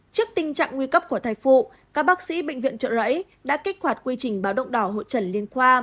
trước tình trạng nguy cấp của thai phụ các bác sĩ bệnh viện trợ rẫy đã kích hoạt quy trình báo động đỏ hội trần liên khoa